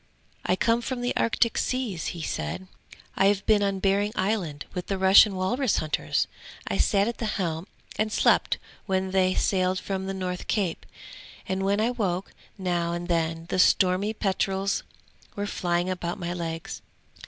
'I come from the Arctic seas,' he said. 'I have been on Behring Island with the Russian walrus hunters. I sat at the helm and slept when they sailed from the north cape, and when I woke now and then the stormy petrels were flying about my legs.